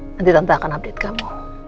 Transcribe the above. nanti tante akan update kamu